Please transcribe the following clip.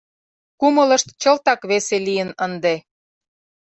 Кумылышт чылтак весе лийын ынде.